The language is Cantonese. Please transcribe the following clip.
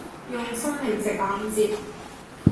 用生命值硬接